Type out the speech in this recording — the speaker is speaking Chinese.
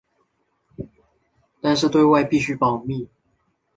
但是对外必须保密。